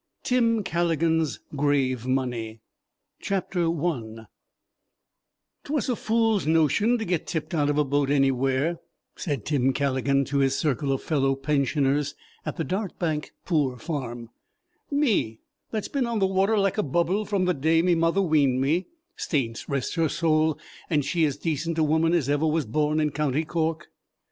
TIM CALLIGAN'S GRAVE MONEY I "'T was a fool's notion to get tipped out of a boat anywhere," said Tim Calligan to his circle of fellow pensioners at the Dartbank poor farm, "me that's been on the water like a bubble from the day me mother weaned me, saints rest her soul, and she as decent a woman as ever was born in County Cork."